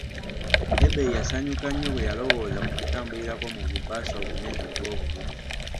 Ebei yasanyuka nnyo bwe yalowooza ku kutambulirako mu gu baasi ogunene ogw'obululu.